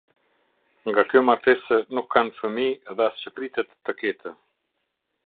Nga kjo martesë nuk kanë fëmijë dhe as që pritet të ketë.